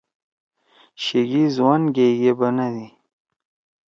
شیگی زوان گِئی ئے بنَدی۔